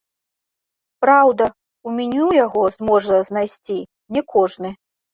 Праўда, у меню яго зможа знайсці не кожны.